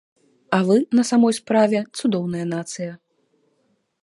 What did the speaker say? А вы, на самой справе, цудоўная нацыя.